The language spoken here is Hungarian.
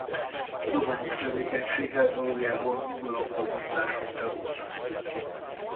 Tudományos tevékenysége valójában nyugalomba vonulása után bontakozott ki.